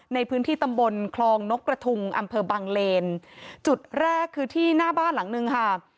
ในพื้นที่ตำบลคลองนกกระทุงอำเภอบังเลนจุดแรกคือที่หน้าบ้านหลังนึงค่ะ